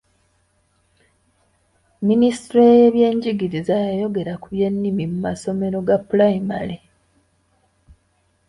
Minisitule y'ebyenjigiriza yayogera ku by'ennimi mu masomero ga pulayimale.